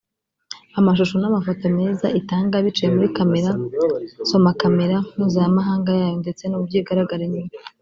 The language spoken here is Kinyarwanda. Amashusho n’amafoto meza itanga biciye muri Camera (soma kamera) mpuzamahanga yayo ndetse n’uburyo igaragara inyuma